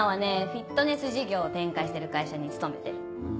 フィットネス事業を展開してる会社に勤めてる。